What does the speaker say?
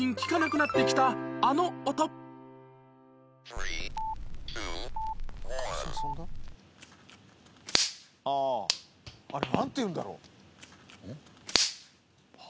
あああれなんていうんだろう？